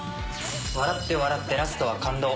笑って笑ってラストは感動。